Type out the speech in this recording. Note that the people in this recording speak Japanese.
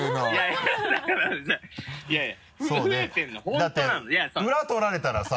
だって裏取られたらさ。